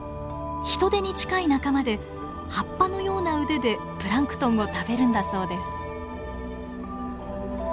ヒトデに近い仲間で葉っぱのような腕でプランクトンを食べるんだそうです。